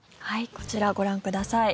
こちらをご覧ください。